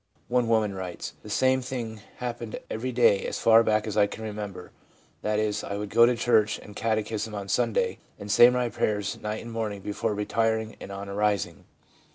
One woman writes :' The same thing happened every day as far back as I can remember ; that is, I would go to church and catechism on Sunday, and say my prayers night and morning before retiring and on arising.